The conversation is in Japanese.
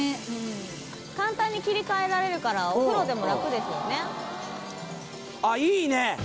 簡単に切り替えられるからお風呂でも楽ですよねあっいいね！